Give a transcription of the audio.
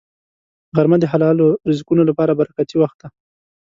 غرمه د حلالو رزقونو لپاره برکتي وخت دی